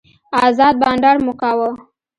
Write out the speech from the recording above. ازاد بانډار مو کاوه.